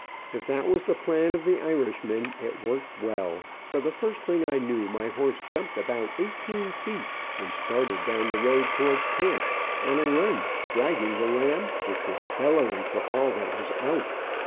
If that was the plan of the Irishman, it worked well, for the first thing I knew my horse jumped about eighteen feet, and started down the road towards camp, on a run, dragging the ram, which was bellowing for all that was out.